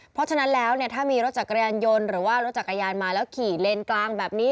เพราะฉะนั้นแล้วเนี่ยถ้ามีรถจักรยานยนต์หรือว่ารถจักรยานมาแล้วขี่เลนกลางแบบนี้